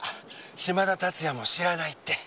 嶋田龍哉も知らないって。